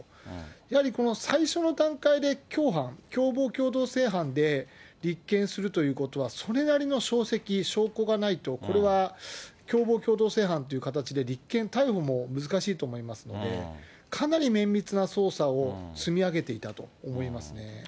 やはりこの最初の段階で共犯、共謀共同正犯で、立件するということはそれなりの証跡、証拠がないと、これは共謀共同正犯という形で立件、逮捕も難しいと思いますので、かなり綿密な捜査を積み上げていたと思いますね。